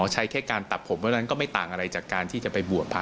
ใช้แค่การตัดผมเพราะฉะนั้นก็ไม่ต่างอะไรจากการที่จะไปบวชพระ